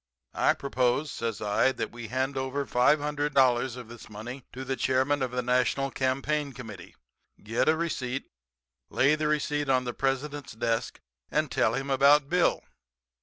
I propose,' says I, 'that we hand over $500 of this money to the chairman of the national campaign committee, get a receipt, lay the receipt on the President's desk and tell him about Bill.